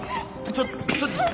ちょっちょっと